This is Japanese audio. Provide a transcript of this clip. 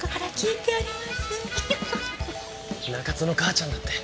中津の母ちゃんだって。